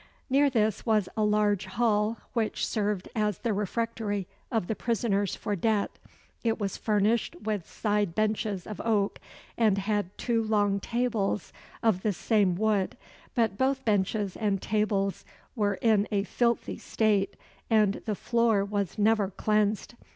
Near this was a large hall, which served as the refectory of the prisoners for debt. It was furnished with side benches of oak, and had two long tables of the same wood; but both benches and tables were in a filthy state, and the floor was never cleansed.